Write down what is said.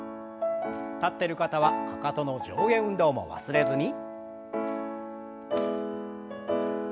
立ってる方はかかとの上下運動も忘れずに。